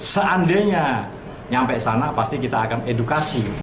seandainya sampai sana pasti kita akan edukasi